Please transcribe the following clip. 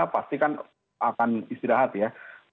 pasti kan akan istirahat ya